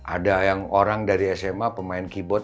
ada yang orang dari sma pemain keyboard